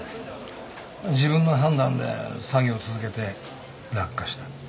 まあ自分の判断で作業続けて落下した。